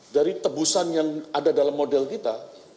dari tebusan yang ada dalam model kita